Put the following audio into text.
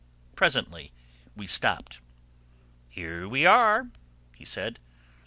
Presently we stopped. "Here we are," he said.